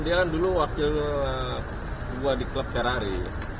dia dulu waktu gua di klub ferrari